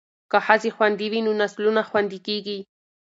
که ښځې خوندي وي نو نسلونه خوندي کیږي.